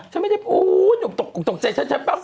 ฉันไม่ได้โอ้โฮตกใจฉันใช่ป่ะ